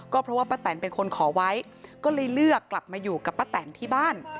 เพราะว่าป้าแตนเป็นคนขอไว้ก็เลยเลือกกลับมาอยู่กับป้าแตนที่บ้าน